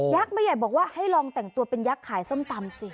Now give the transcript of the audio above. แม่ใหญ่บอกว่าให้ลองแต่งตัวเป็นยักษ์ขายส้มตำสิ